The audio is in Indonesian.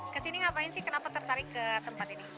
kesini ngapain sih kenapa tertarik ke tempat ini